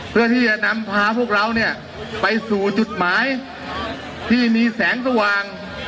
เพื่อที่จะนำพาพวกเราเนี่ยไปสู่จุดหมายที่มีแสงสว่าง